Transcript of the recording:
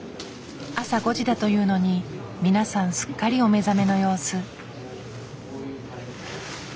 朝５時だというのにみなさんすっかりお目覚めの様子。